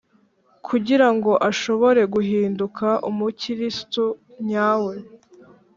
kugira ngo ashobore guhinduka. umukirisitu nyawe